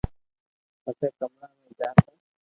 پسي ڪمرا مي گيا تا